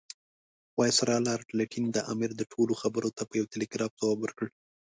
وایسرا لارډ لیټن د امیر دې ټولو خبرو ته په یو ټلګراف ځواب ورکړ.